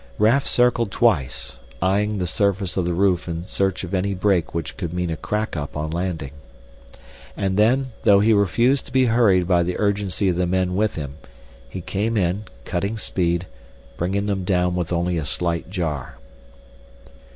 Raf circled twice, eyeing the surface of the roof in search of any break which could mean a crack up at landing. And then, though he refused to be hurried by the urgency of the men with him, he came in, cutting speed, bringing them down with only a slight jar.